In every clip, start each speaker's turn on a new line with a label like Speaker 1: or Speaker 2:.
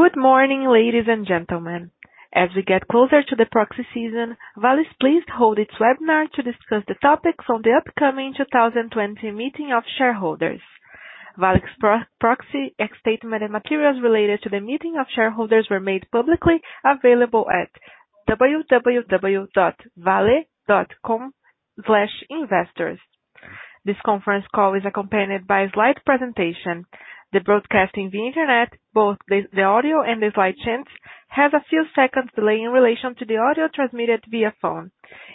Speaker 1: Good morning, ladies and gentlemen. As we get closer to the proxy season, Vale is pleased to hold its webinar to discuss the topics on the upcoming 2020 meeting of shareholders. Vale's proxy, statement, and materials related to the meeting of shareholders were made publicly available at www.vale.com/investors. This conference call is accompanied by a slide presentation. The broadcast on the internet, both the audio and the slide charts, has a few seconds delay in relation to the audio transmitted via phone.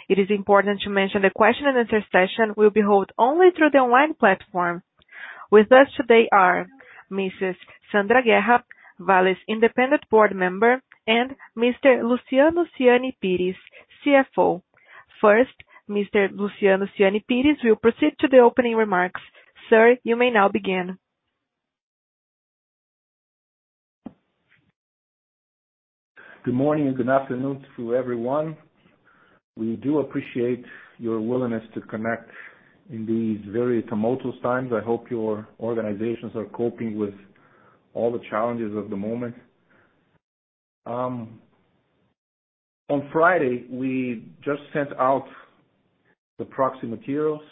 Speaker 1: It is important to mention the question-and-answer session will be held only through the online platform. With us today are Mrs. Sandra Guerra, Vale's Independent Board Member, and Mr. Luciano Siani Pires, CFO. First, Mr. Luciano Siani Pires will proceed to the opening remarks. Sir, you may now begin.
Speaker 2: Good morning and good afternoon to everyone. We do appreciate your willingness to connect in these very tumultuous times. I hope your organizations are coping with all the challenges of the moment. On Friday, we just sent out the proxy materials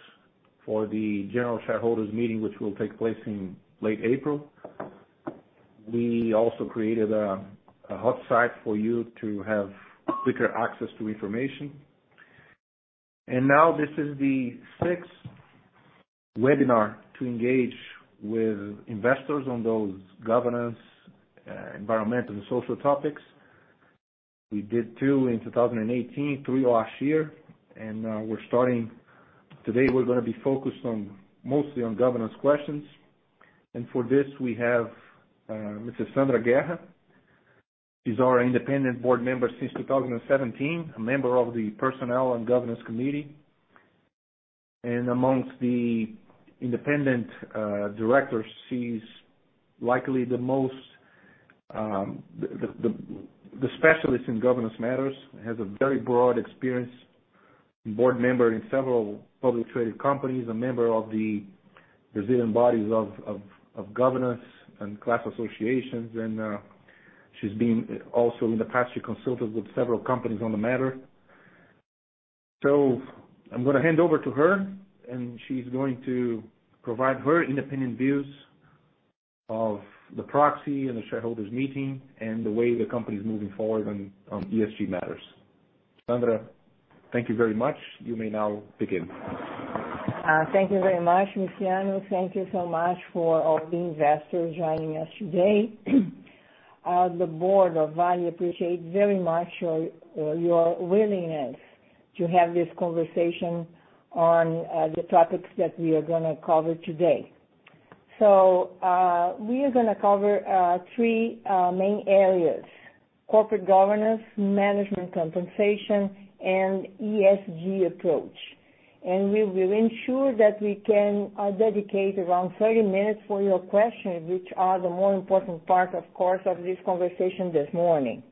Speaker 2: for the general shareholders meeting, which will take place in late April. We also created a hot site for you to have quicker access to information. Now this is the sixth webinar to engage with investors on those governance, environmental, and social topics. We did two in 2018, three last year, Today we're going to be focused mostly on governance questions. For this, we have Mrs. Sandra Guerra. She's our Independent Board Member since 2017, a member of the Personnel and Governance Committee. Amongst the independent directors, she's likely the specialist in governance matters, has a very broad experience, board member in several public traded companies, a member of the Brazilian bodies of governance and class associations, and also in the past, she consulted with several companies on the matter. I'm going to hand over to her, and she's going to provide her independent views of the proxy and the shareholders meeting and the way the company is moving forward on ESG matters. Sandra, thank you very much. You may now begin.
Speaker 3: Thank you very much, Luciano. Thank you so much for all the investors joining us today. The board of Vale appreciates very much your willingness to have this conversation on the topics that we are going to cover today. We are going to cover three main areas, corporate governance, management compensation, and ESG approach. We will ensure that we can dedicate around 30 minutes for your questions, which are the more important part, of course, of this conversation this morning.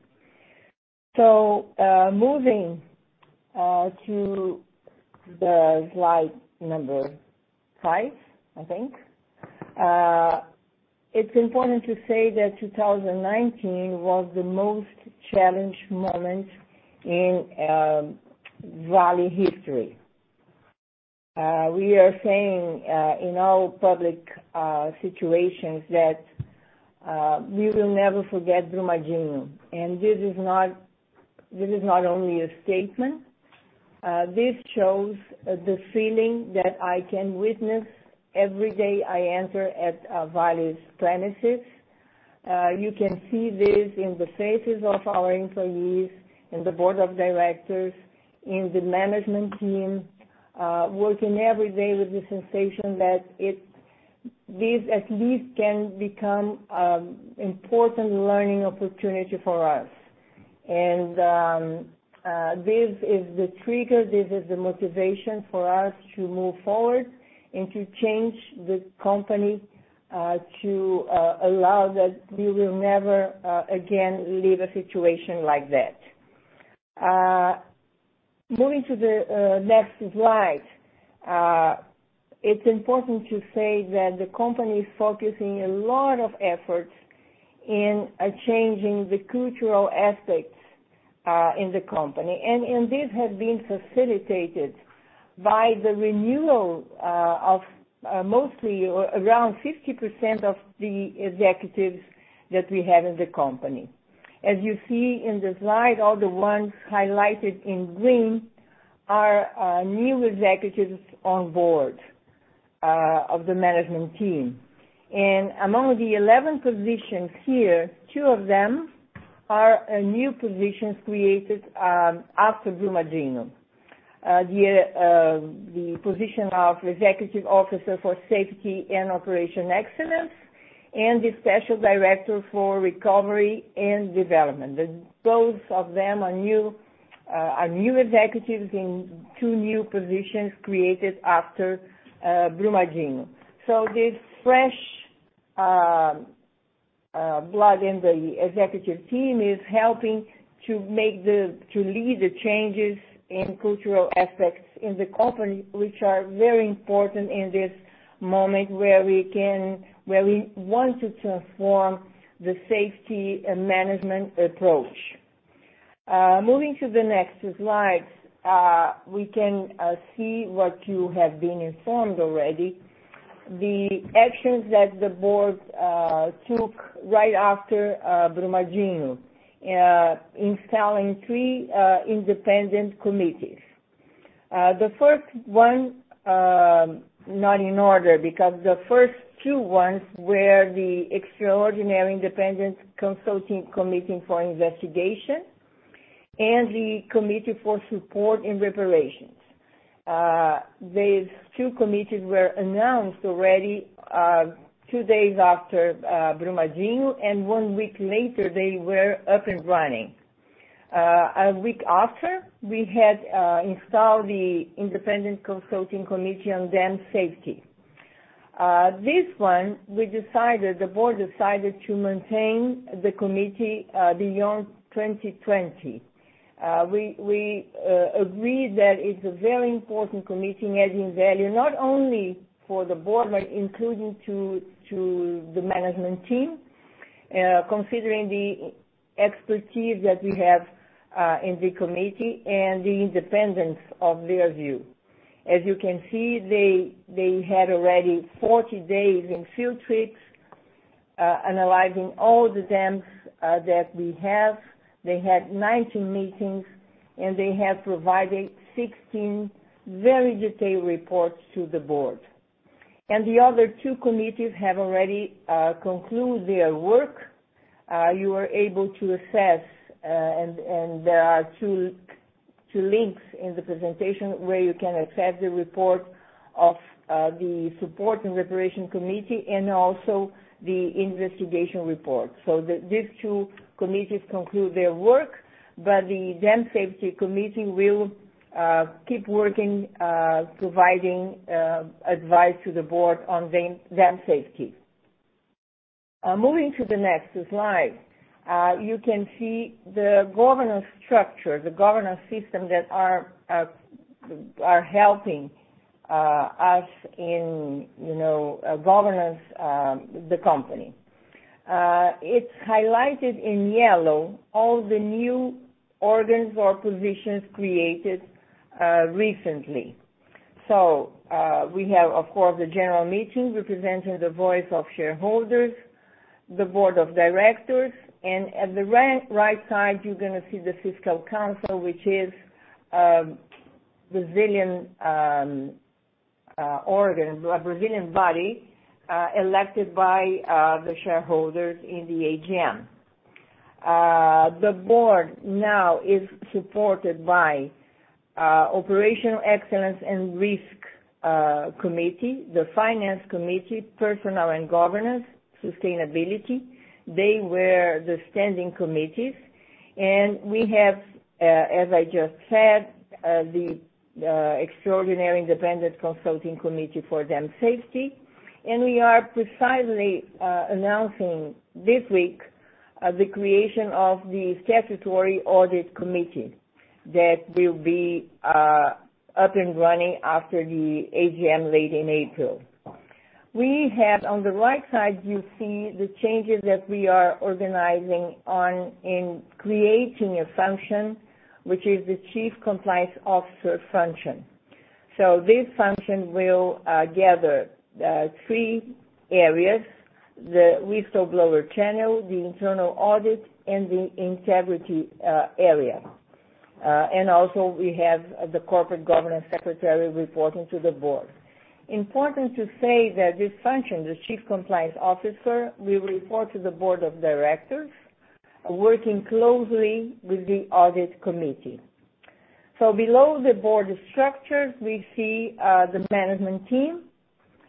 Speaker 3: Moving to the slide number five, I think. It's important to say that 2019 was the most challenged moment in Vale history. We are saying in all public situations that we will never forget Brumadinho. This is not only a statement, this shows the feeling that I can witness every day I enter at Vale's premises. You can see this in the faces of our employees, in the Board of Directors, in the management team, working every day with the sensation that this at least can become important learning opportunity for us. This is the trigger, this is the motivation for us to move forward and to change the company to allow that we will never again leave a situation like that. Moving to the next slide. It's important to say that the company is focusing a lot of efforts in changing the cultural aspects in the company. This has been facilitated by the renewal of mostly around 50% of the executives that we have in the company. As you see in the slide, all the ones highlighted in green are new executives on board of the management team. Among the 11 positions here, two of them are new positions created after Brumadinho. The position of executive officer for safety and Operational Excellence, and the special director for recovery and development. Both of them are new executives in two new positions created after Brumadinho. This fresh blood in the executive team is helping to lead the changes in cultural aspects in the company, which are very important in this moment where we want to transform the safety and management approach. Moving to the next slide. We can see what you have been informed already, the actions that the board took right after Brumadinho, installing three independent committees. The first one, not in order, because the first two ones were the Extraordinary Independent Consulting Committee for Investigation and the Committee for Support and Reparations. These two committees were announced already two days after Brumadinho, and one week later, they were up and running. A week after, we had installed the Independent Consulting Committee on Dam Safety. This one, the board decided to maintain the committee beyond 2020. We agreed that it's a very important committee, adding value not only for the board, but including to the management team, considering the expertise that we have in the committee and the independence of their view. As you can see, they had already 40 days in field trips analyzing all the dams that we have. They had 19 meetings, and they have provided 16 very detailed reports to the board. The other two committees have already concluded their work. You are able to assess, and there are two links in the presentation where you can assess the report of the Support and Reparation Committee and also the investigation report. These two committees conclude their work, but the Dam Safety Committee will keep working, providing advice to the Board on dam safety. Moving to the next slide. You can see the governance structure, the governance system that are helping us in governance the company. It's highlighted in yellow, all the new organs or positions created recently. We have, of course, the general meeting representing the voice of shareholders, the Board of Directors, and at the right side, you're going to see the Fiscal Council, which is a Brazilian organ, a Brazilian body, elected by the shareholders in the AGM. The Board now is supported by Operational Excellence and Risk Committee, the Finance Committee, Personnel and Governance Committee, Sustainability Committee. They were the standing committees. We have, as I just said, the Extraordinary Independent Consulting Committee for Dam Safety, and we are precisely announcing this week, the creation of the Statutory Audit Committee that will be up and running after the AGM late in April. We have, on the right side, you see the changes that we are organizing on in creating a function, which is the Chief Compliance Officer function. This function will gather three areas, the whistleblower channel, the internal audit, and the integrity area. Also we have the corporate governance secretary reporting to the Board. Important to say that this function, the Chief Compliance Officer, will report to the Board of Directors, working closely with the Audit Committee. Below the Board structure, we see the management team.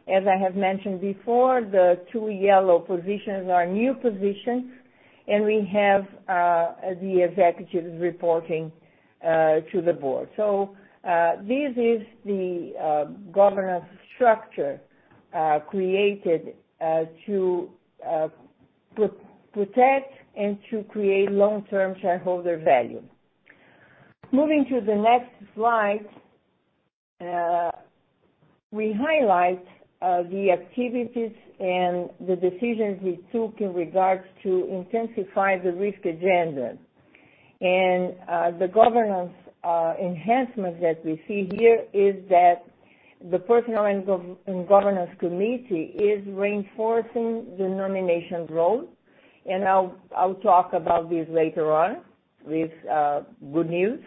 Speaker 3: As I have mentioned before, the two yellow positions are new positions, and we have the executives reporting to the Board. This is the governance structure created to protect and to create long-term shareholder value. Moving to the next slide. We highlight the activities and the decisions we took in regards to intensify the risk agenda. The Personnel and Governance Committee is reinforcing the nominations role. I'll talk about this later on with good news.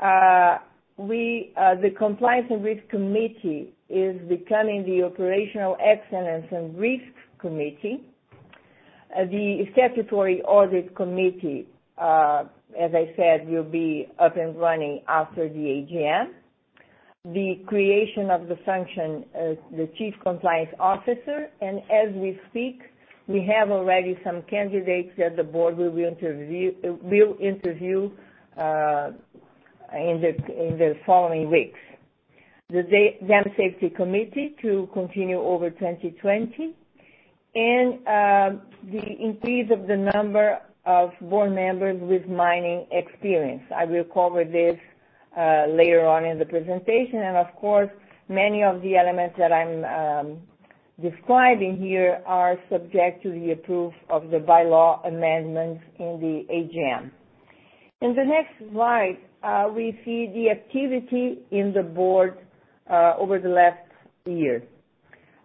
Speaker 3: The Compliance and Risk Committee is becoming the Operational Excellence and Risk Committee. The Statutory Audit Committee, as I said, will be up and running after the AGM. The creation of the function of the Chief Compliance Officer, and as we speak, we have already some candidates that the Board will interview in the following weeks. The Dam Safety Committee to continue over 2020, and the increase of the number of Board members with mining experience. I will cover this later on in the presentation. Of course, many of the elements that I'm describing here are subject to the approval of the bylaw amendments in the AGM. In the next slide, we see the activity in the board over the last year.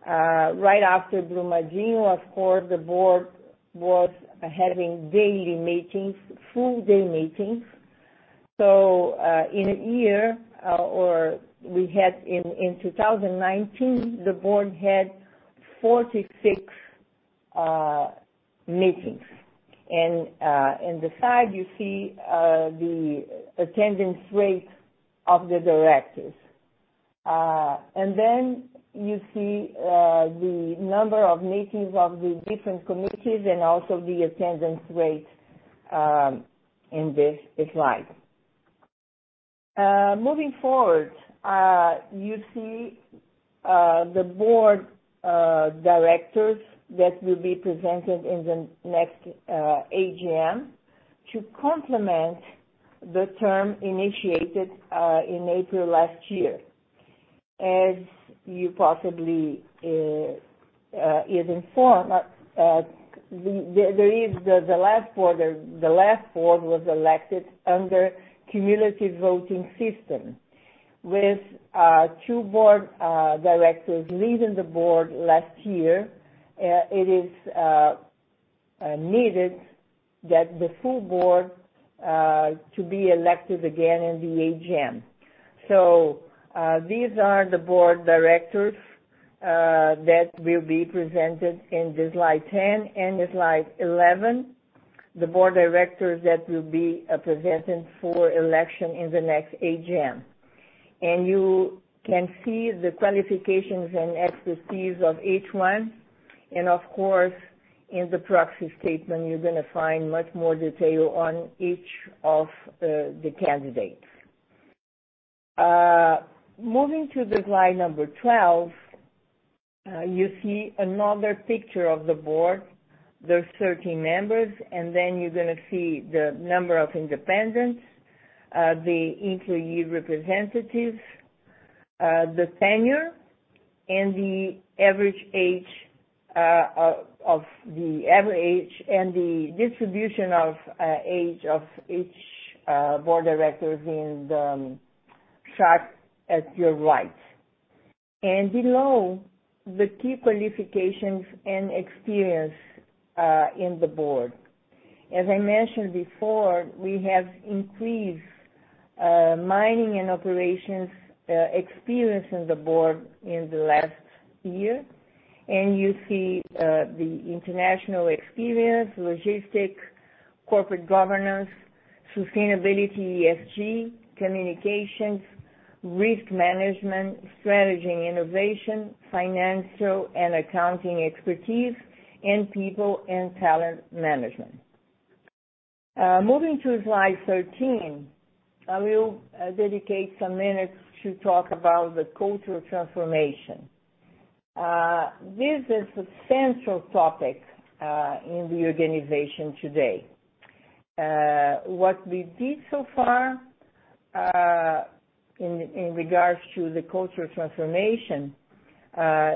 Speaker 3: Right after Brumadinho, of course, the board was having daily meetings, full-day meetings. In a year, or we had in 2019, the board had 46 meetings. On the slide you see the attendance rate of the directors. You see the number of meetings of the different committees and also the attendance rates in this slide. Moving forward, you see the board of directors that will be presented in the next AGM to complement the term initiated in April last year. As you possibly is informed, the last board was elected under cumulative voting system. With two board directors leaving the board last year, it is needed that the full board to be elected again in the AGM. These are the board directors that will be presented in the slide 10 and slide 11, the board directors that will be presenting for election in the next AGM. You can see the qualifications and expertise of each one. Of course, in the proxy statement, you're going to find much more detail on each of the candidates. Moving to the slide number 12, you see another picture of the board, there's 13 members, then you're going to see the number of independents, the employee representatives, the tenure, and the average age, and the distribution of age of each board director in the chart at your right. Below, the key qualifications and experience in the board. As I mentioned before, we have increased mining and operations experience in the board in the last year. You see the international experience, logistics, corporate governance, sustainability, ESG, communications, risk management, strategy and innovation, financial and accounting expertise, and people and talent management. Moving to slide 13, I will dedicate some minutes to talk about the cultural transformation. This is a central topic in the organization today. What we did so far, in relation to the cultural transformation,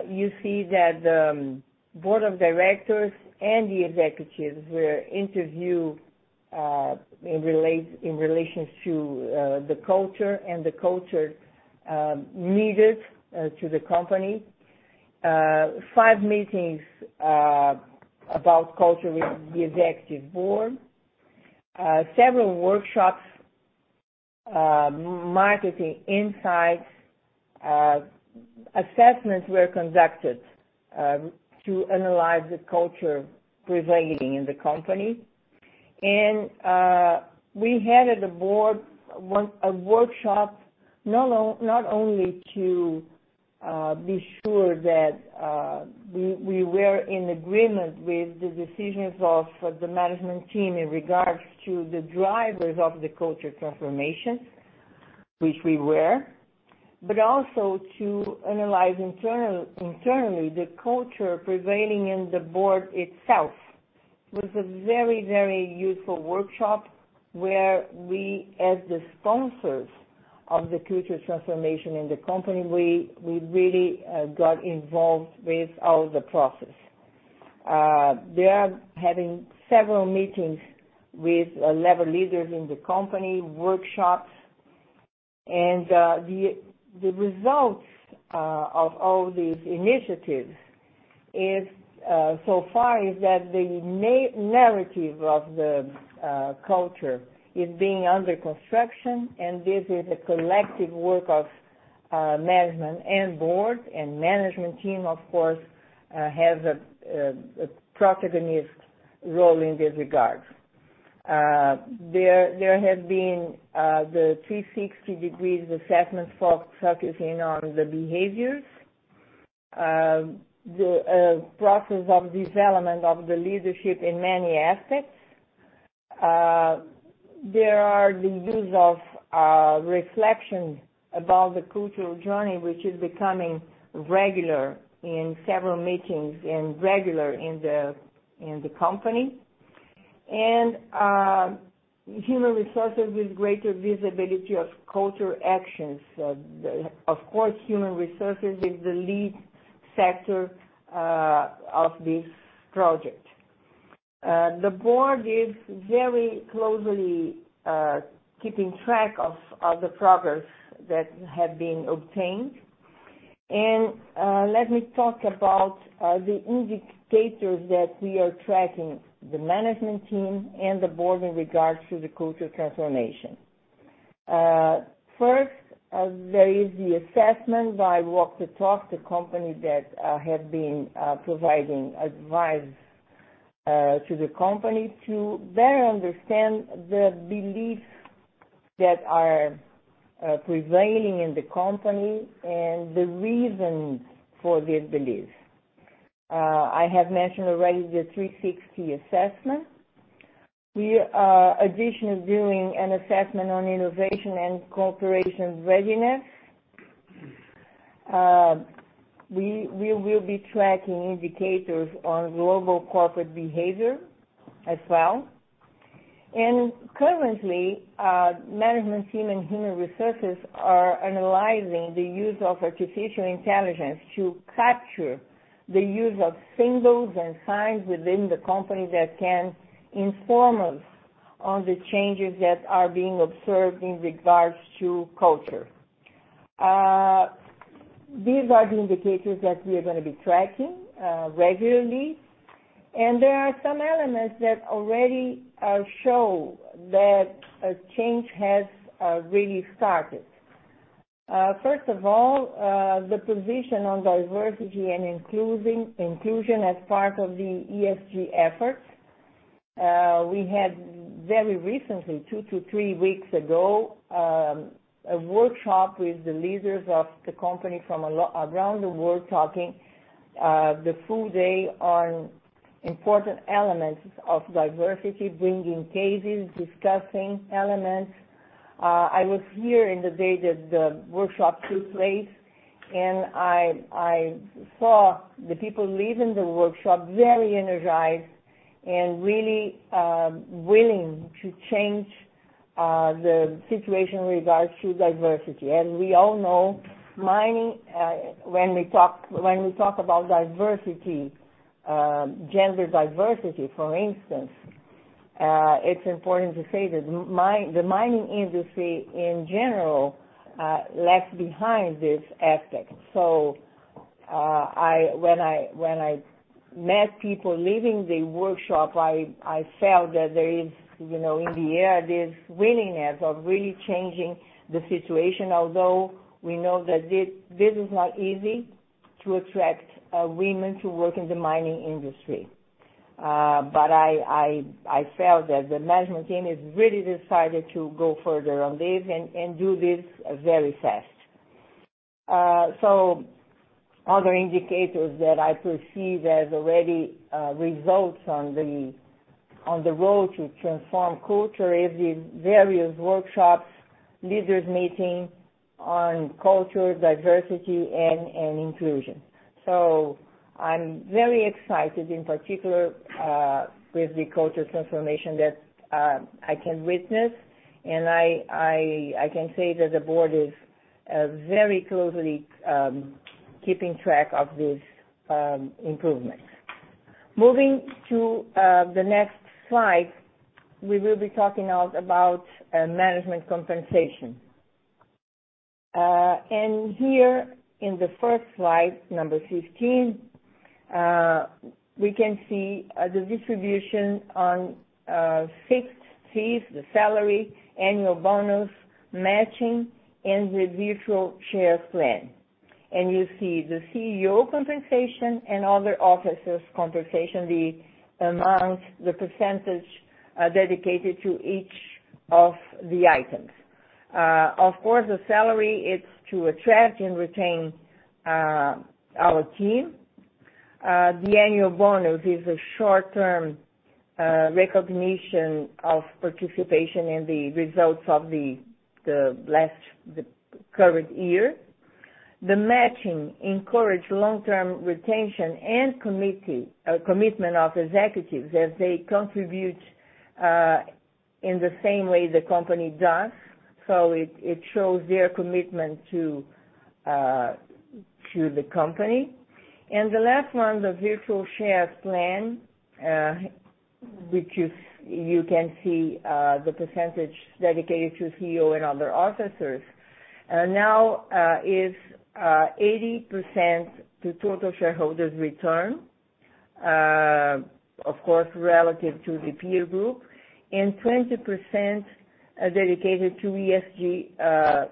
Speaker 3: you see that board of directors and the executives were interviewed in relation to the culture and the culture needed for the company. Five meetings about culture with the executive board. Several workshops, marketing insights, assessments were conducted to analyze the culture prevailing in the company. We had at the board, a workshop, not only to be sure that we were in agreement with the decisions of the management team in regards to the drivers of the culture transformation, which we were, but also to analyze internally the culture prevailing in the board itself. It was a very, very useful workshop where we, as the sponsors of the culture transformation in the company, we really got involved with all the process. They are having several meetings with level leaders in the company, workshops. The results of all these initiatives so far is that the narrative of the culture is being under construction, and this is a collective work of management and board, and management team, of course, has a protagonist role in this regard. There have been the 360-degree assessments focusing on the behaviors, the process of development of the leadership in many aspects. There are the use of reflections about the cultural journey, which is becoming regular in several meetings and regular in the company. Human resources with greater visibility of culture actions. Of course, human resources is the lead sector of this project. The board is very closely keeping track of the progress that has been obtained. Let me talk about the indicators that we are tracking, the management team and the board in regards to the culture transformation. First, there is the assessment by Walking The Talk, the company that has been providing advice to the company to better understand the beliefs that are prevailing in the company and the reason for these beliefs. I have mentioned already the 360-degree assessment. We are additionally doing an assessment on innovation and cooperation readiness. We will be tracking indicators on global corporate behavior as well. Currently, management team and human resources are analyzing the use of artificial intelligence to capture the use of symbols and signs within the company that can inform us on the changes that are being observed in regards to culture. These are the indicators that we are going to be tracking regularly. There are some elements that already show that a change has really started. First of all, the position on diversity and inclusion as part of the ESG efforts. We had very recently, two to three weeks ago, a workshop with the leaders of the company from around the world talking the full day on important elements of diversity, bringing cases, discussing elements. I was here in the day that the workshop took place. I saw the people leaving the workshop very energized and really willing to change the situation with regards to diversity. As we all know, mining, when we talk about diversity, gender diversity, for instance, it's important to say that the mining industry in general left behind this aspect. When I met people leaving the workshop, I felt that there is, in the air, this willingness of really changing the situation. Although we know that this is not easy to attract women to work in the mining industry. I felt that the management team is really decided to go further on this and do this very fast. Other indicators that I perceive as already results on the road to transform culture is the various workshops, leaders meeting on culture, diversity, and inclusion. I'm very excited, in particular, with the culture transformation that I can witness, and I can say that the board is very closely keeping track of these improvements. Moving to the next slide. We will be talking now about management compensation. Here in the first slide, number 15, we can see the distribution on fixed fees, the salary, annual bonus, matching, and the virtual share plan. You see the CEO compensation and other officers' compensation, the amount, the percentage dedicated to each of the items. Of course, the salary is to attract and retain our team. The annual bonus is a short-term recognition of participation in the results of the current year. The matching encourage long-term retention and commitment of executives as they contribute in the same way the company does. It shows their commitment to the company. The last one, the virtual share plan, which you can see the percentage dedicated to CEO and other officers. Now is 80% to total shareholders' return, of course, relative to the peer group, and 20% dedicated to ESG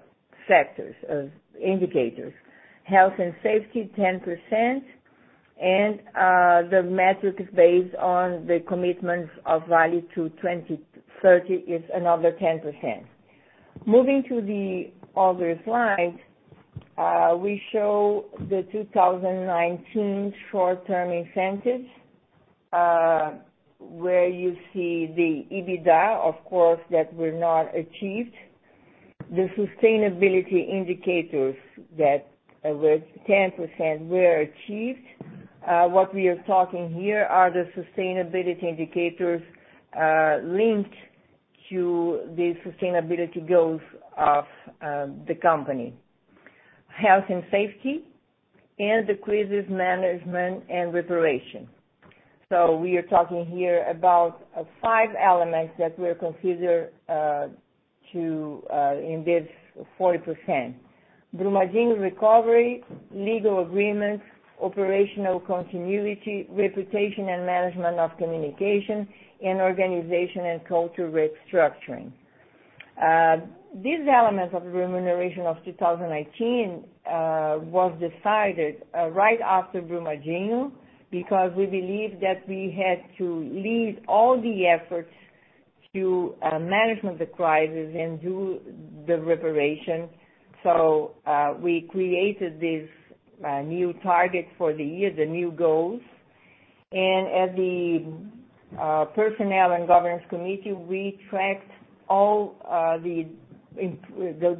Speaker 3: sectors as indicators. Health and safety, 10%, and the metric is based on the commitments of Vale to 2030 is another 10%. Moving to the other slide, we show the 2019 short-term incentives, where you see the EBITDA, of course, that were not achieved. The sustainability indicators that were 10% were achieved. What we are talking here are the sustainability indicators linked to the sustainability goals of the company, Health and safety, and the crisis management and reparation. We are talking here about five elements that were considered to invest 40%, Brumadinho recovery, legal agreements, operational continuity, reputation and management of communication, and organization and culture restructuring. These elements of remuneration of 2019 was decided right after Brumadinho, because we believed that we had to lead all the efforts to management of the crisis and do the reparation. We created this new target for the year, the new goals. As the People, Remuneration and Governance Committee, we tracked all the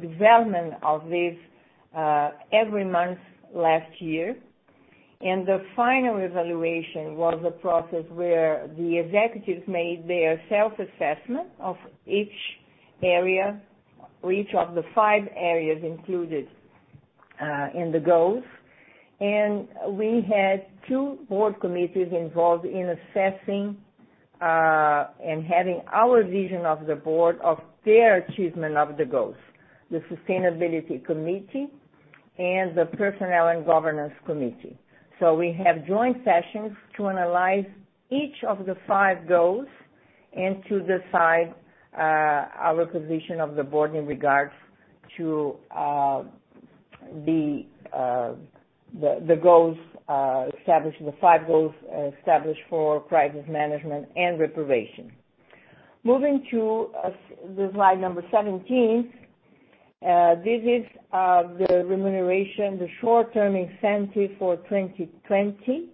Speaker 3: development of this every month last year. The final evaluation was a process where the executives made their self-assessment of each area, for each of the five areas included in the goals. We had two board committees involved in assessing, and having our vision of the board of their achievement of the goals. The Sustainability Committee and the People, Remuneration and Governance Committee. We had joint sessions to analyze each of the five goals, and to decide our position of the board in regards to the five goals established for crisis management and reparation. Moving to slide number 17. This is the remuneration, the short-term incentive for 2020.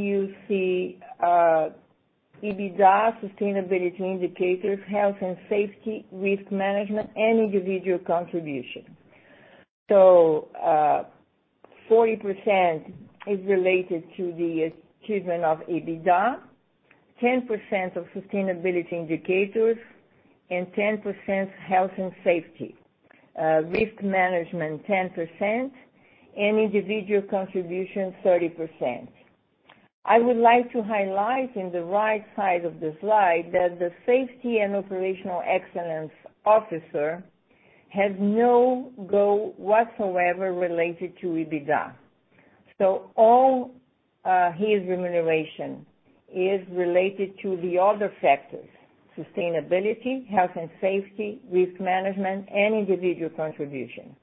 Speaker 3: You see EBITDA sustainability indicators, health and safety, risk management, and individual contribution. 40% is related to the achievement of EBITDA, 10% of sustainability indicators, and 10% health and safety. Risk management 10%, and individual contribution 30%. I would like to highlight in the right side of the slide that the safety and operational excellence officer has no goal whatsoever related to EBITDA. All his remuneration is related to the other factors, sustainability, health and safety, risk management, and individual contribution.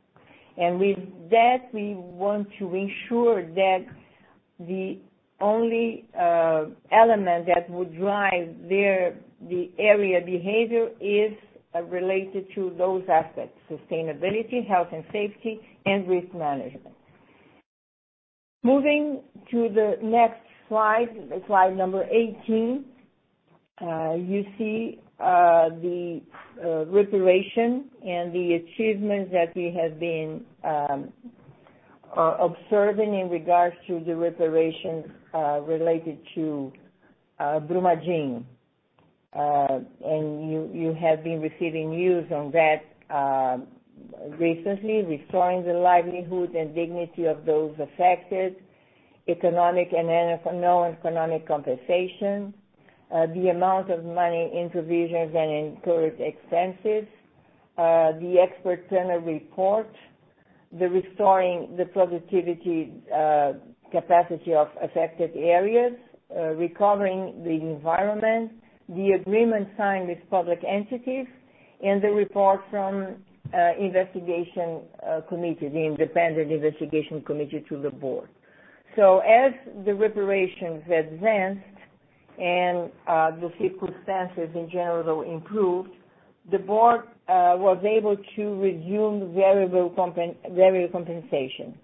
Speaker 3: With that, we want to ensure that the only element that would drive the area behavior is related to those aspects, sustainability, health and safety, and risk management. Moving to the next slide number 18. You see the reparation and the achievements that we have been observing in regards to the reparations related to Brumadinho. You have been receiving news on that recently, restoring the livelihood and dignity of those affected, economic and non-economic compensation, the amount of money into provisions and incurred expenses, the expert panel report, the restoring the productivity capacity of affected areas, recovering the environment, the agreement signed with public entities, and the report from the Investigation Committee, the Independent Investigation Committee to the board. As the reparations advanced and the circumstances in general improved, the board was able to resume variable compensation.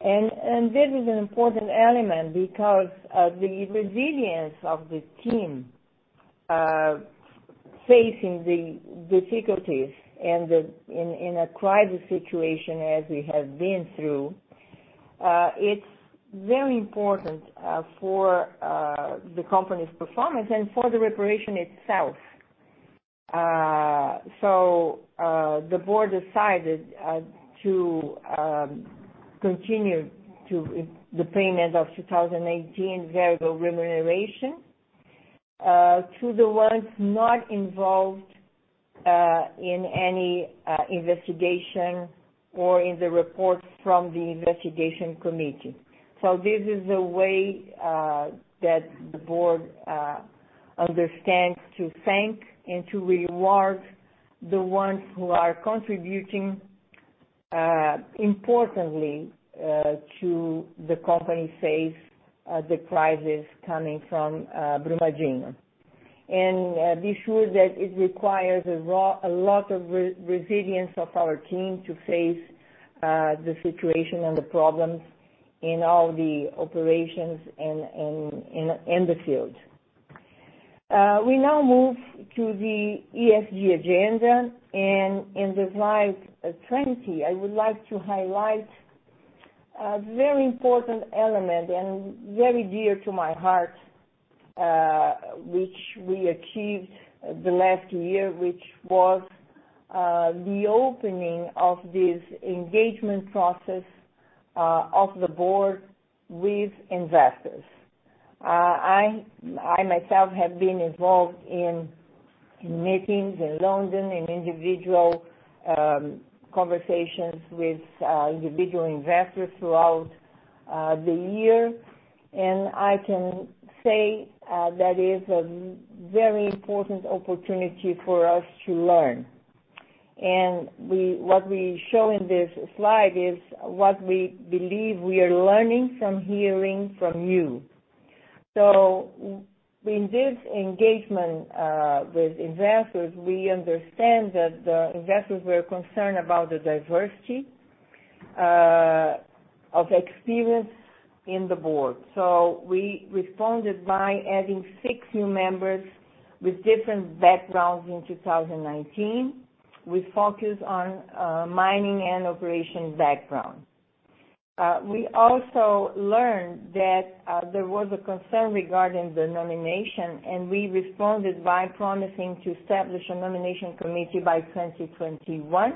Speaker 3: This is an important element because of the resilience of the team facing the difficulties in a crisis situation as we have been through. It is very important for the company's performance and for the reparation itself. The board decided to continue the payment of 2018 variable remuneration to the ones not involved in any investigation or in the reports from the Investigation Committee. This is a way that the board understands to thank and to reward the ones who are contributing importantly to the company face the crisis coming from Brumadinho. Be sure that it requires a lot of resilience of our team to face the situation and the problems in all the operations and in the field. We now move to the ESG agenda, and in the slide 20, I would like to highlight a very important element and very dear to my heart, which we achieved the last year, which was the opening of this engagement process of the board with investors. I myself have been involved in meetings in London and individual conversations with individual investors throughout the year. I can say that is a very important opportunity for us to learn. What we show in this slide is what we believe we are learning from hearing from you. In this engagement with investors, we understand that the investors were concerned about the diversity of experience in the Board. We responded by adding six new members with different backgrounds in 2019. We focus on mining and operations background. We also learned that there was a concern regarding the nomination, and we responded by promising to establish a Nomination Committee by 2021.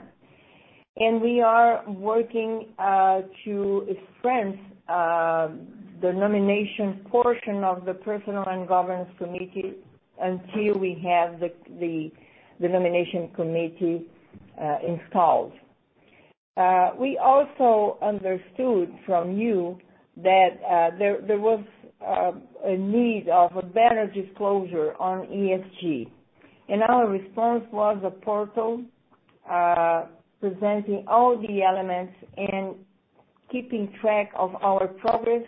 Speaker 3: We are working to strengthen the nomination portion of the People, Remuneration and Governance Committee until we have the Nomination Committee installed. We also understood from you that there was a need of a better disclosure on ESG. Our response was a portal presenting all the elements and keeping track of our progress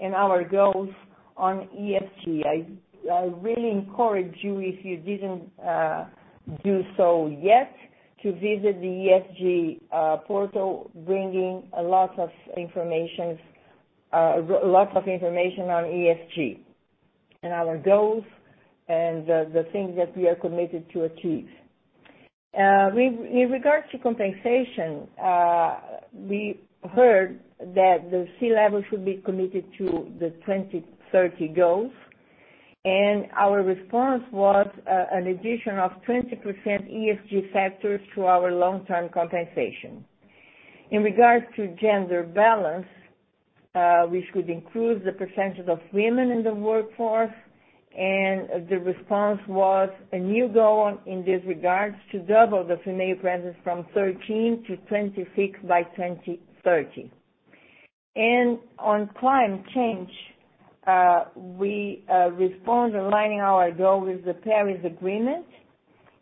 Speaker 3: and our goals on ESG. I really encourage you, if you didn't do so yet, to visit the ESG portal, bringing lots of information on ESG and our goals and the things that we are committed to achieve. With regard to compensation, we heard that the C-level should be committed to the 2030 goals. Our response was an addition of 20% ESG factors to our long-term compensation. In regards to gender balance, we should include the percentage of women in the workforce. The response was a new goal in this regards to double the female presence from 13 to 26 by 2030. On climate change, we respond aligning our goal with the Paris Agreement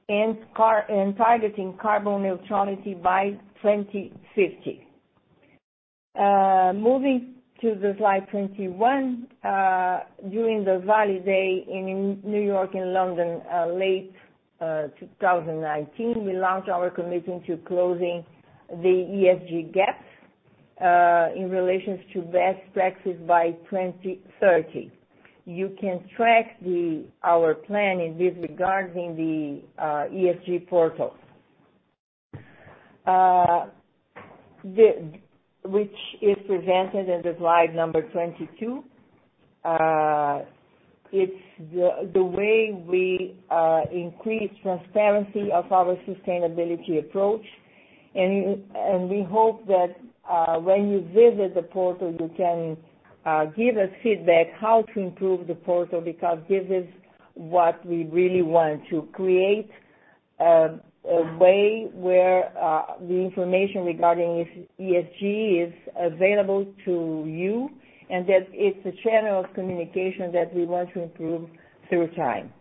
Speaker 3: and targeting carbon neutrality by 2050. Moving to the slide 21, during the Vale Day in New York and London, late 2019, we launched our commitment to closing the ESG gap in relations to best practices by 2030. You can track our plan in this regard the ESG portal, which is presented in the slide number 22. It's the way we increase transparency of our sustainability approach, and we hope that when you visit the portal, you can give us feedback how to improve the portal because this is what we really want to create a way where the information regarding ESG is available to you and that it's a channel of communication that we want to improve through time.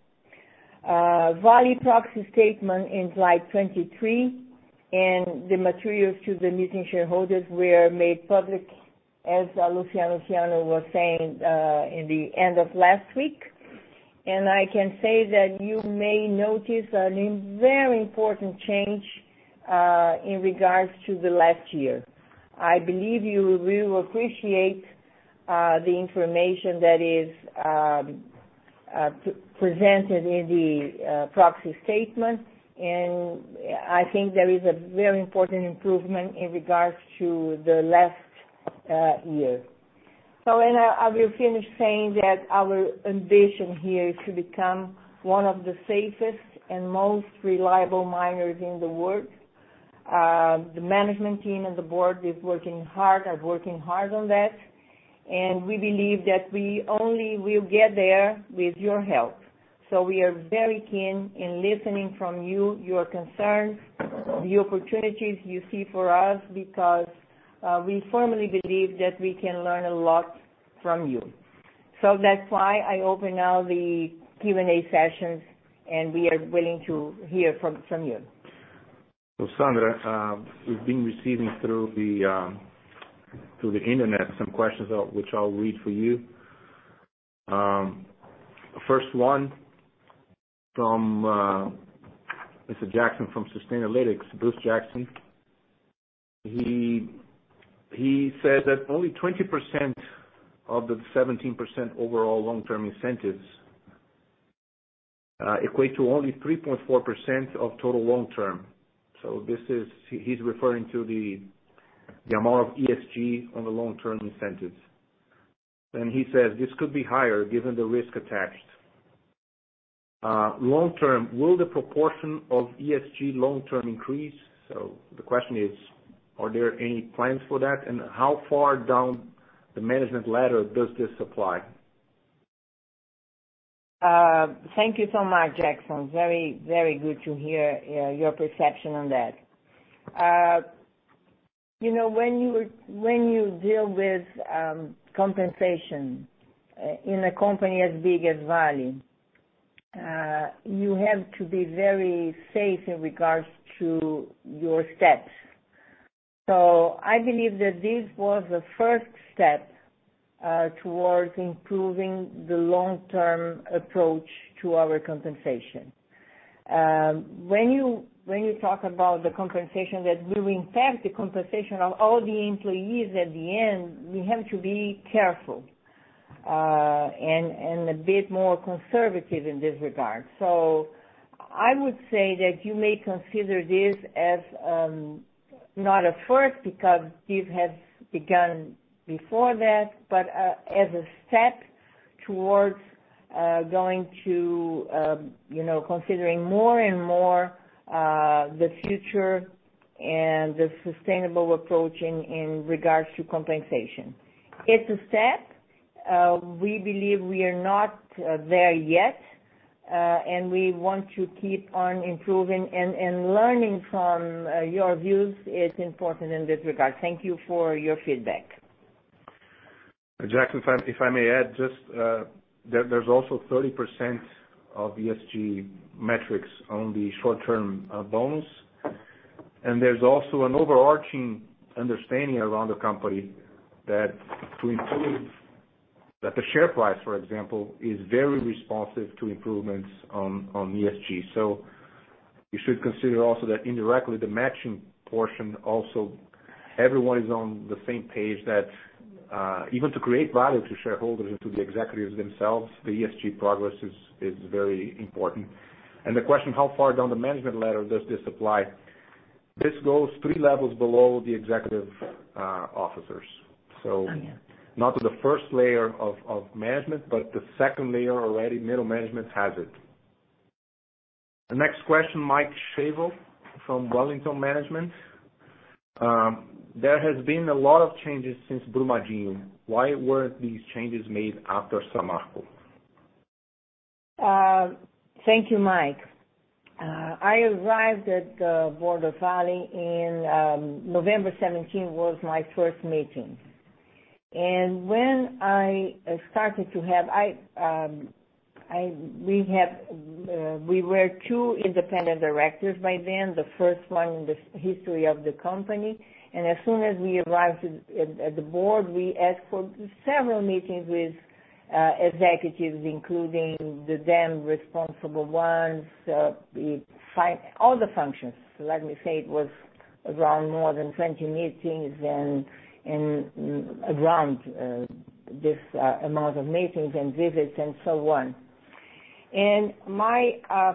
Speaker 3: Vale proxy statement in slide 23 and the materials to the meeting shareholders were made public, as Luciano was saying, in the end of last week. I can say that you may notice a very important change in regards to the last year. I believe you will appreciate the information that is presented in the proxy statement, and I think there is a very important improvement in regards to the last year. I will finish saying that our ambition here is to become one of the safest and most reliable miners in the world. The management team and the board are working hard on that, and we believe that we only will get there with your help. We are very keen in listening from you, your concerns, the opportunities you see for us because, we firmly believe that we can learn a lot from you. That's why I open now the Q&A sessions, and we are willing to hear from you.
Speaker 2: Sandra, we've been receiving through the internet some questions out which I'll read for you. First one. From Mr. Jackson from Sustainalytics, Bruce Jackson. He said that only 20% of the 17% overall long-term incentives equate to only 3.4% of total long-term. He's referring to the amount of ESG on the long-term incentives. He says, "This could be higher given the risk attached. Long-term, will the proportion of ESG long-term increase?" The question is, are there any plans for that, and how far down the management ladder does this apply?
Speaker 3: Thank you so much, Jackson. Very good to hear your perception on that. When you deal with compensation in a company as big as Vale, you have to be very safe in regards to your steps. I believe that this was the first step towards improving the long-term approach to our compensation. When you talk about the compensation that will impact the compensation of all the employees at the end, we have to be careful, and a bit more conservative in this regard. I would say that you may consider this as not a first, because this has begun before that, but as a step towards going to considering more and more the future and the sustainable approach in regards to compensation. It's a step. We believe we are not there yet, and we want to keep on improving, and learning from your views is important in this regard. Thank you for your feedback.
Speaker 2: Jackson, if I may add, there's also 30% of ESG metrics on the short-term bonus. There's also an overarching understanding around the company that the share price, for example, is very responsive to improvements on ESG. You should consider also that indirectly the matching portion also, everyone is on the same page that even to create value to shareholders and to the executives themselves, the ESG progress is very important. The question, how far down the management ladder does this apply? This goes three levels below the executive officers.
Speaker 3: Oh, yeah.
Speaker 2: Not to the first layer of management, but the second layer already, middle management has it. The next question, Mike Shavel from Wellington Management. There has been a lot of changes since Brumadinho. Why were these changes made after Samarco?
Speaker 3: Thank you, Mike. I arrived at the board of Vale in November 2017, was my first meeting. When I started, we were two independent directors by then, the first one in the history of the company. As soon as we arrived at the board, we asked for several meetings with executives, including the dam responsible ones, all the functions. Let me say it was around more than 20 meetings, and around this amount of meetings and visits and so on. My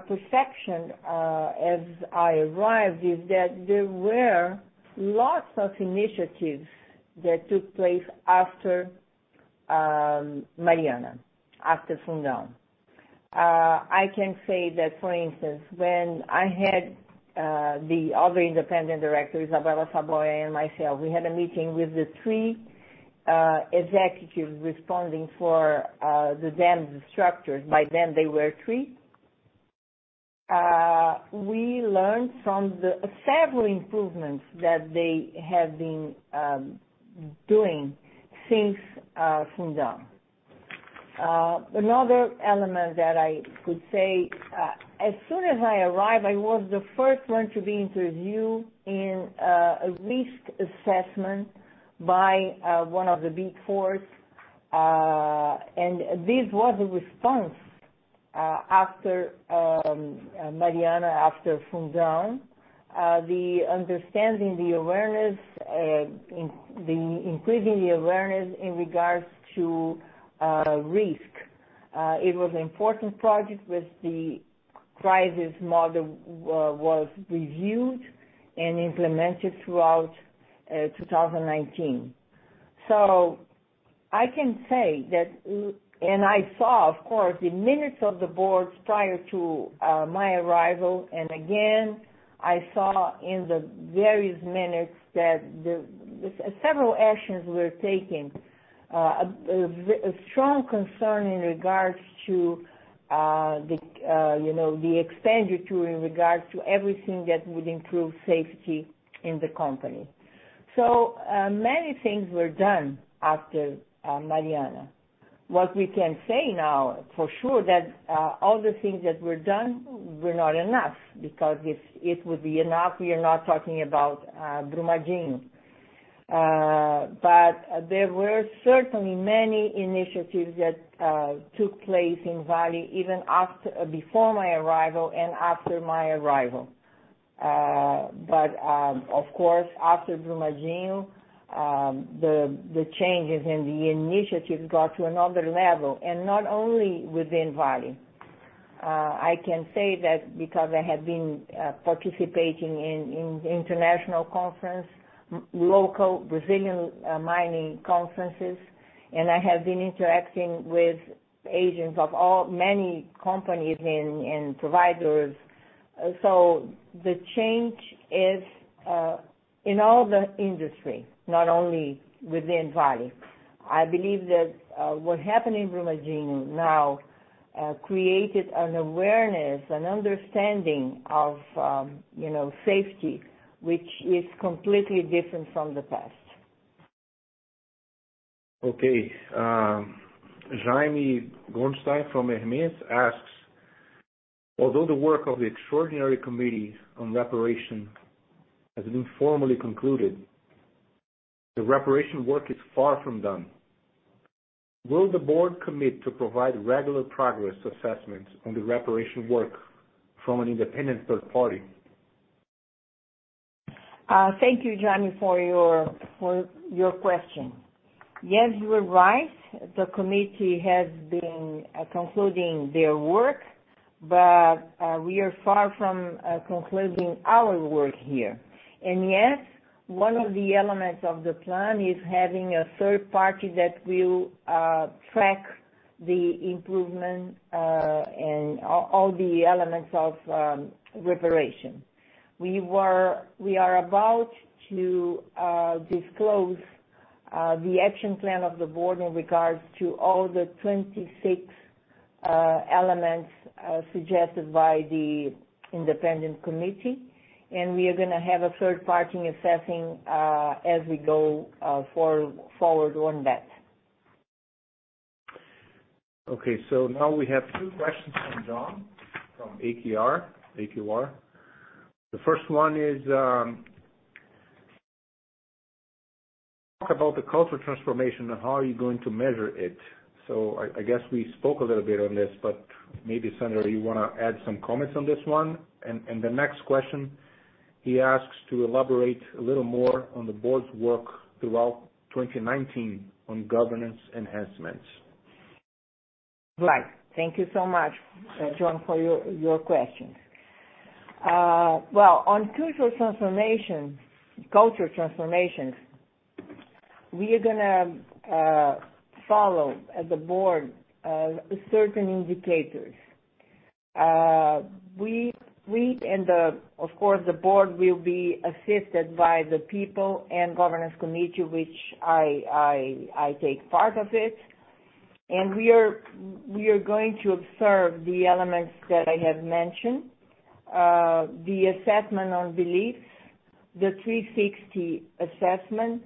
Speaker 3: perception as I arrived is that there were lots of initiatives that took place after Mariana, after Fundão. I can say that, for instance, when I had the other independent directors, Isabella Saboya and myself, we had a meeting with the three executives responding for the dams structures. By then, there were three. We learned from the several improvements that they have been doing since Fundão. Another element that I could say, as soon as I arrived, I was the first one to be interviewed in a risk assessment by one of the big fours. This was a response after Mariana, after Fundão. The understanding, the awareness, increasing the awareness in regards to risk. It was an important project with the crisis model, was reviewed and implemented throughout 2019. I can say that. I saw, of course, the minutes of the boards prior to my arrival. Again, I saw in the various minutes that several actions were taken. A strong concern in regards to the expenditure, in regards to everything that would improve safety in the company. Many things were done after Mariana. What we can say now, for sure, that all the things that were done were not enough, because if it would be enough, we are not talking about Brumadinho. There were certainly many initiatives that took place in Vale even before my arrival and after my arrival. Of course, after Brumadinho, the changes and the initiatives got to another level, and not only within Vale. I can say that because I have been participating in international conference, local Brazilian mining conferences, and I have been interacting with agents of many companies and providers. The change is in all the industry, not only within Vale. I believe that what happened in Brumadinho now created an awareness, an understanding of safety, which is completely different from the past.
Speaker 2: Okay. Jaime Goldstein from Hermes asks, "Although the work of the Extraordinary Committee on Reparation has been formally concluded, the reparation work is far from done. Will the board commit to provide regular progress assessments on the reparation work from an independent third party?
Speaker 3: Thank you, Jaime, for your question. Yes, you are right. The committee has been concluding their work, we are far from concluding our work here. Yes, one of the elements of the plan is having a third party that will track the improvement and all the elements of reparation. We are about to disclose the action plan of the board in regards to all the 26 elements suggested by the independent committee. We are going to have a third party assessing as we go forward on that.
Speaker 2: Okay, now we have two questions from John from AQR. The first one is, talk about the cultural transformation and how are you going to measure it? I guess we spoke a little bit on this, but maybe Sandra, you want to add some comments on this one? The next question, he asks to elaborate a little more on the board's work throughout 2019 on governance enhancements.
Speaker 3: Right. Thank you so much, John, for your questions. Well, on cultural transformation, we are going to follow as a board certain indicators. We, of course the board will be assisted by the People and Governance Committee, which I take part of it. We are going to observe the elements that I have mentioned. The assessment on beliefs, the 360 assessment,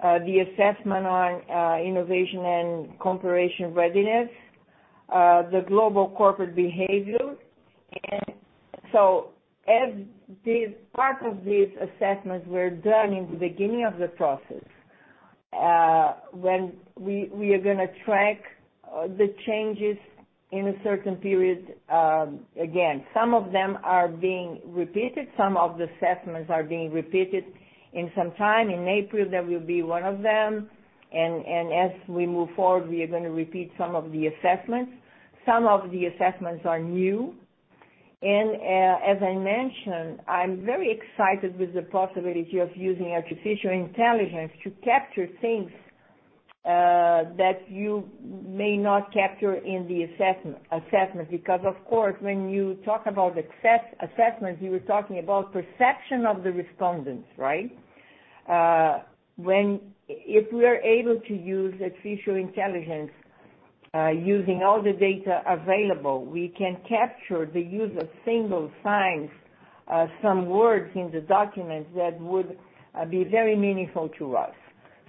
Speaker 3: the assessment on innovation and cooperation readiness, the global corporate behavior. As part of these assessments were done in the beginning of the process, we are going to track the changes in a certain period again. Some of the assessments are being repeated in some time. In April, that will be one of them, and as we move forward, we are going to repeat some of the assessments. Some of the assessments are new. As I mentioned, I'm very excited with the possibility of using artificial intelligence to capture things that you may not capture in the assessment. Of course, when you talk about assessment, you are talking about perception of the respondents, right? If we're able to use artificial intelligence, using all the data available, we can capture the use of single signs, some words in the documents that would be very meaningful to us.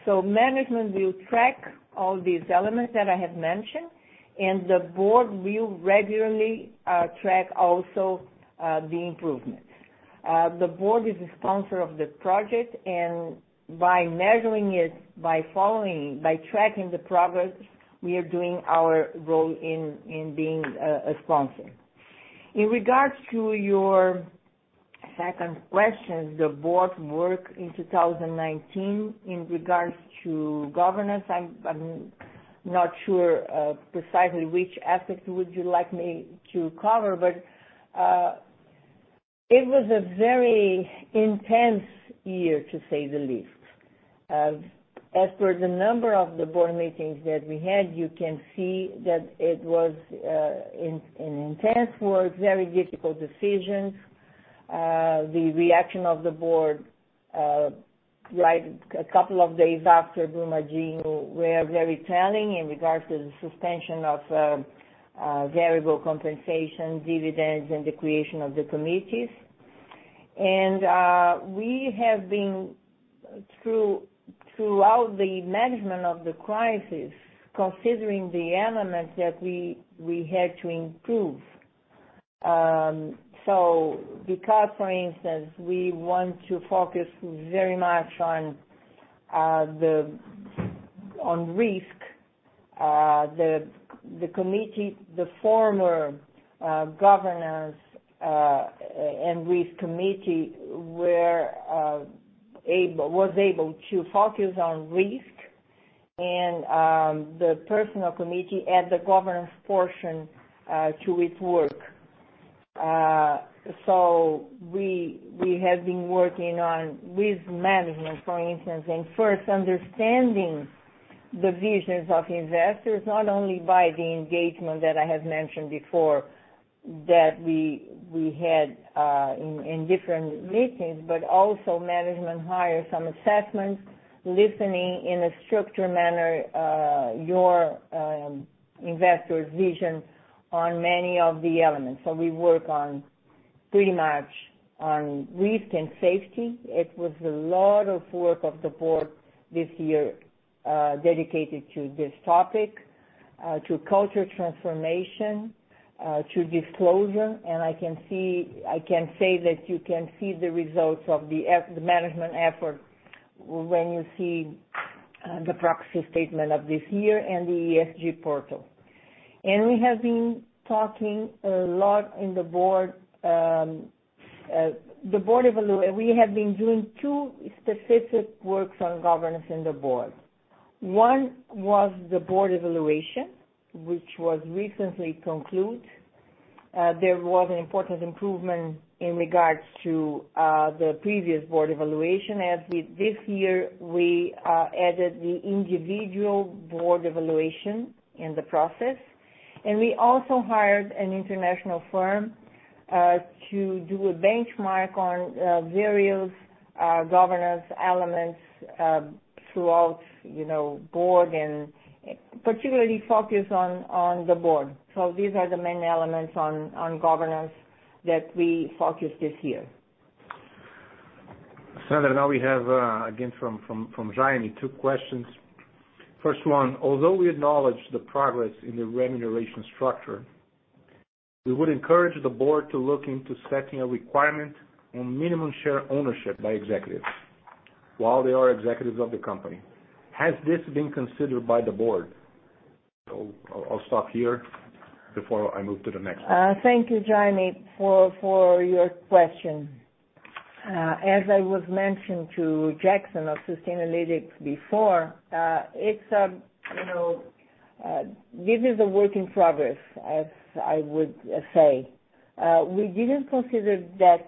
Speaker 3: Management will track all these elements that I have mentioned, and the board will regularly track also the improvements. The board is a sponsor of the project, and by measuring it, by following, by tracking the progress, we are doing our role in being a sponsor. In regards to your second question, the board work in 2019, in regards to governance, I'm not sure precisely which aspect would you like me to cover, but it was a very intense year, to say the least. As per the number of the board meetings that we had, you can see that it was an intense work, very difficult decisions. The reaction of the board, like a couple of days after Brumadinho, were very telling in regards to the suspension of variable compensation dividends and the creation of the committees. We have been, throughout the management of the crisis, considering the elements that we had to improve. Because, for instance, we want to focus very much on risk, the former governance and risk committee was able to focus on risk, and the People committee add the governance portion to its work. We have been working on risk management, for instance, and first understanding the visions of investors, not only by the engagement that I have mentioned before that we had in different meetings, but also management hire some assessments, listening in a structured manner your investors' vision on many of the elements. We work on pretty much on risk and safety. It was a lot of work of the board this year dedicated to this topic, to culture transformation, to disclosure, and I can say that you can see the results of the management effort when you see the proxy statement of this year and the ESG portal. We have been talking a lot in the board. We have been doing two specific works on governance in the board. One was the board evaluation, which was recently concluded. There was an important improvement in regards to the previous board evaluation, as this year we added the individual board evaluation in the process, and we also hired an international firm to do a benchmark on various governance elements throughout board and particularly focus on the board. These are the main elements on governance that we focused this year.
Speaker 2: Sandra, now we have, again, from Jaime, two questions. First one: although we acknowledge the progress in the remuneration structure, we would encourage the board to look into setting a requirement on minimum share ownership by executives while they are executives of the company. Has this been considered by the board? I'll stop here before I move to the next one.
Speaker 3: Thank you, Jaime, for your question. As I was mentioning to Jackson of Sustainalytics before, this is a work in progress, as I would say. We didn't consider that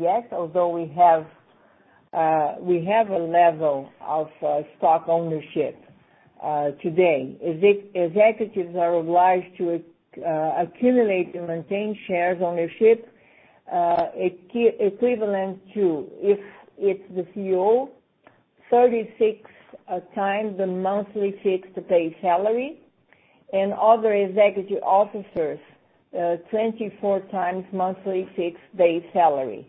Speaker 3: yet, although we have a level of stock ownership today. Executives are obliged to accumulate and maintain shares ownership equivalent to, if it's the CEO, 36 times the monthly fixed pay salary, and other executive officers, 24 times monthly fixed pay salary.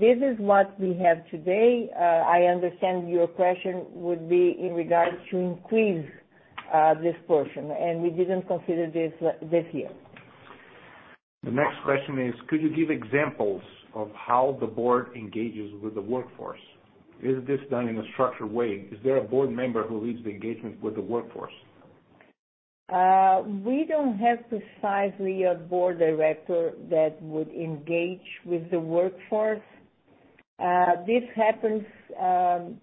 Speaker 3: This is what we have today. I understand your question would be in regards to increase this portion. We didn't consider this year.
Speaker 2: The next question is: could you give examples of how the Board engages with the workforce? Is this done in a structured way? Is there a Board member who leads the engagement with the workforce?
Speaker 3: We don't have precisely a board director that would engage with the workforce. This happens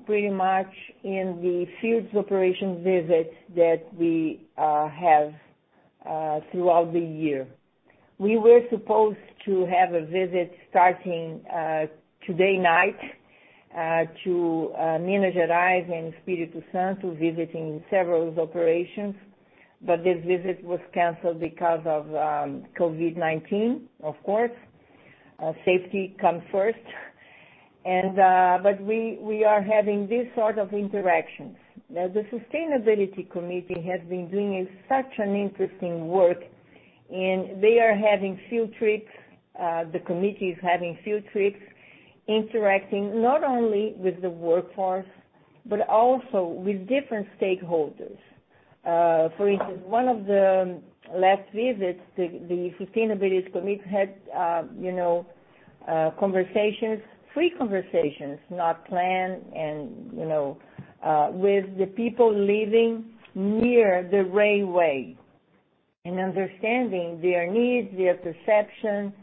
Speaker 3: pretty much in the fields operation visits that we have throughout the year. We were supposed to have a visit starting today night, to Minas Gerais and Espírito Santo, visiting several operations. This visit was canceled because of COVID-19, of course. Safety comes first. We are having these sort of interactions. Now, the Sustainability Committee has been doing such an interesting work, and they are having field trips. The committee is having field trips, interacting not only with the workforce, but also with different stakeholders. For instance, one of the last visits, the Sustainability Committee had conversations, free conversations, not planned, and with the people living near the railway, and understanding their needs, their perception.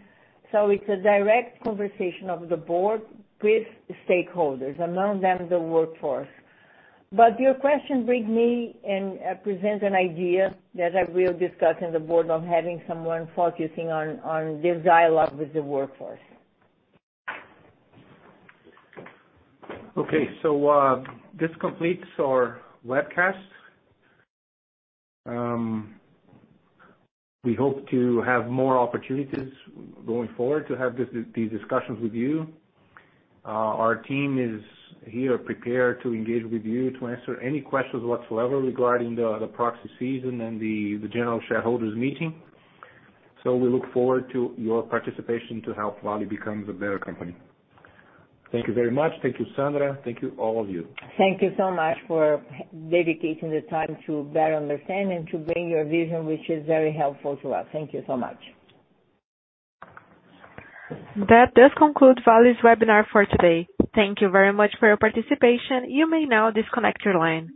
Speaker 3: It's a direct conversation of the board with stakeholders, among them, the workforce. Your question brings me and presents an idea that I will discuss in the Board of having someone focusing on this dialogue with the workforce.
Speaker 2: Okay, this completes our webcast. We hope to have more opportunities going forward to have these discussions with you. Our team is here prepared to engage with you to answer any questions whatsoever regarding the proxy season and the general shareholders meeting. We look forward to your participation to help Vale become a better company. Thank you very much. Thank you, Sandra. Thank you, all of you.
Speaker 3: Thank you so much for dedicating the time to better understand and to bring your vision, which is very helpful to us. Thank you so much.
Speaker 1: That does conclude Vale's webinar for today. Thank you very much for your participation. You may now disconnect your line.